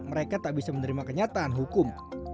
mereka tak bisa menerima kenyataan hukum